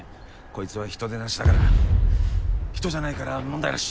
こいつは人でなしだから人じゃないから問題なし。